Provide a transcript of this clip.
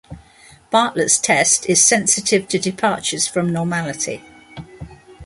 Bartlett's test is sensitive to departures from normality.